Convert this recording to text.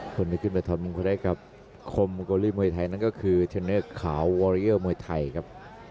คนที่ขึ้นไปถอดมงคลให้กับคมโกลีมวยไทยนั่นก็คือเทนเนอร์ขาววอริเยอร์มวยไทยครับ